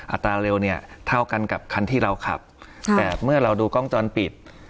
อัตราเร็วเนี่ยเท่ากันกับคันที่เราขับแต่เมื่อเราดูกล้องจรปิด